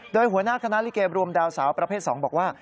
โดยหัวหน้าคณะลิเกรวมดาวสาวประเภท๒บอกว่า